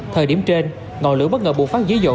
thời điểm trên ngọn lửa bất ngờ bụt phát dưới dộ